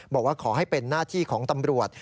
บอกว่าขอให้เป็นหน้าที่ของตำรวจ